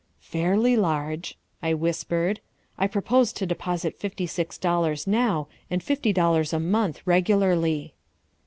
"Fairly large," I whispered. "I propose to deposit fifty six dollars now and fifty dollars a month regularly."